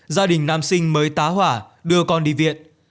gia đình nam sinh mới tá hỏa đưa con đi viện